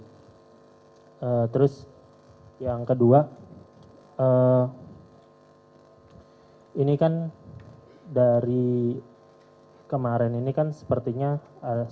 eee terus yang kedua eee ini kan dari kemarin ini kan sepertinya eee